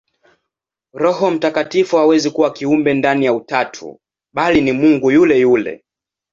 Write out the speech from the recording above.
Roho Mtakatifu hawezi kuwa kiumbe ndani ya Utatu, bali ni Mungu yule yule.